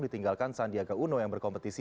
ditinggalkan sandiaga uno yang berkompetisi